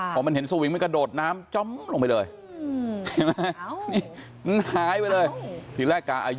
พอมันเห็นสวิงมันกระโดดน้ำจ้อมลงไปเลย